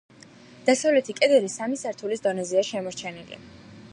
დასავლეთი კედელი სამი სართულის დონეზეა შემორჩენილი.